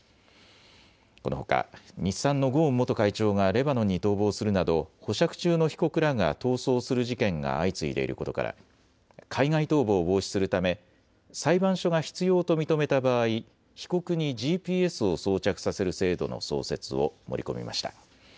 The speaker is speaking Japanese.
このほか日産のゴーン元会長がレバノンに逃亡するなど保釈中の被告らが逃走する事件が相次いでいることから海外逃亡を防止するため裁判所が必要と認めた場合、被告にＧＰＳを装着させる制度の創設を盛り込みました。